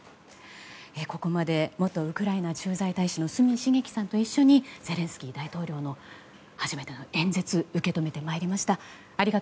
ここまで元ウクライナ駐在大使の角茂樹さんと一緒にゼレンスキー大統領の初めての演説を受け止めてまいりました。